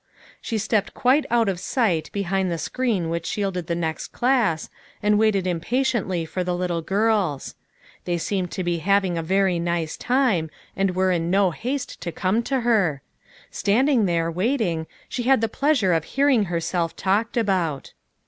She stepped quite out of sight behind the screen which shielded the next class, and waited impatiently for the little girls. They seemed to be having a very nice time, and were in no haste to come to her. Standing there, waiting, she had the pleasure of hearing herself talked about.